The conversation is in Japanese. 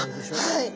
はい。